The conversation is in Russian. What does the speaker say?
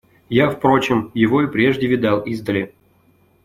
Я, впрочем, его и прежде видал издали.